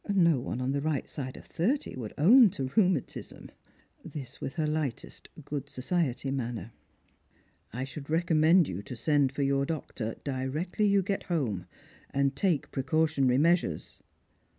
No one on the right side of thirty would own to rheumatism." This, with her lightest good society manner. " I should recommend you to send for your doctor directly you get home, and take precautionary measures."